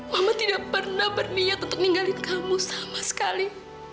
mama tidak pernah berniat untuk ninggalin kamu sama sekali